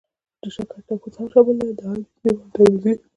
د شکر تپوس هم شامل دی. دا حديث امام ترمذي